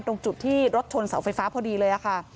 ตรงจุดที่รถชนเสาไฟฟ้าพอดีเลยค่ะ